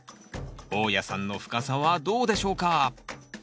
大家さんの深さはどうでしょうか？